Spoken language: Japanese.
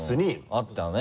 あったよね。